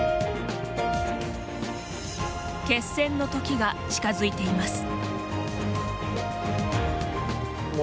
決戦の時が近づいています。